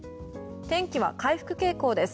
天気は回復傾向です。